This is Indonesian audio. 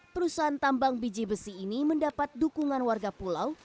perusahaan tambang biji besi ini mendapat dukungan warga pulau